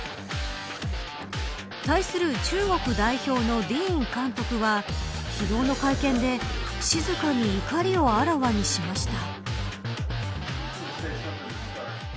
対する中国代表のディーン監督は昨日の会見で静かに怒りをあらわにしました。